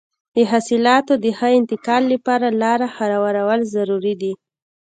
د حاصلاتو د ښه انتقال لپاره لاره هوارول ضروري دي.